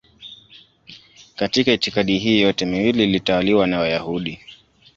Katika itikadi hii yote miwili ilitawaliwa na Wayahudi.